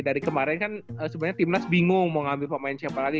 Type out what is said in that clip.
dari kemarin kan sebenarnya timnas bingung mau ngambil pemain siapa lagi